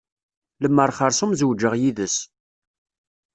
Lemer xeṛṣum zewǧeɣ yid-s.